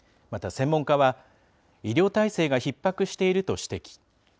また専門家は、医療体制がひっ迫していると指摘。